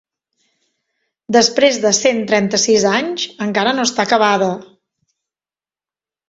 Després de cent trenta-sis anys encara no està acabada.